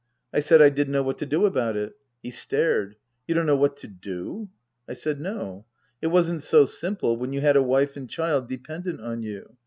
I said I didn't know what to do about it. He stared. " You don't know what to do ?" I said, No. It wasn't so simple when you had a wife and child dependent on you.